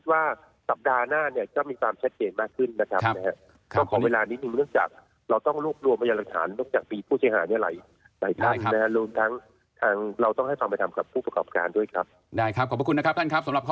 ว่าสัปดาห์หน้าจะมีความชัดเจนมากขึ้นนะครับ